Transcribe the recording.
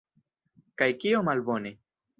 Kaj kio malbone?